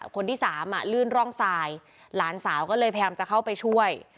คนที่สามอ่ะลื่นร่องทรายหลานสาวก็เลยพยายามจะเข้าไปช่วย